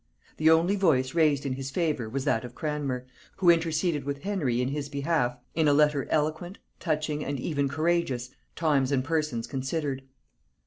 The only voice raised in his favor was that of Cranmer, who interceded with Henry in his behalf in a letter eloquent, touching, and even courageous, times and persons considered.